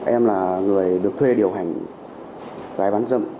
em là người được thuê điều hành vé bán dâm